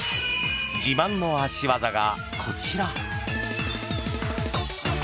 自慢の足技がこちら。